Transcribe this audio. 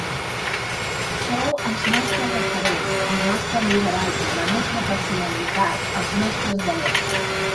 Sou els nostres referents, el nostre lideratge, la nostra personalitat, els nostres valors.